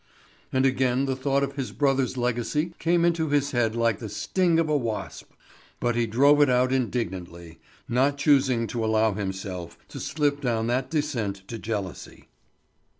And again the thought of his brother's legacy came into his head like the sting of a wasp; but he drove it out indignantly, not choosing to allow himself to slip down that descent to jealousy.